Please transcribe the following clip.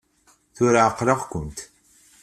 Tura ɛeqleɣ-kent!